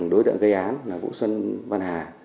đối tượng gây án là vũ xuân văn hà